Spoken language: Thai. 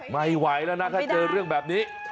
ไม่ไหวแล้วนะถ้าเจอเรื่องแบบนี้